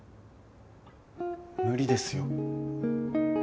無理ですよ。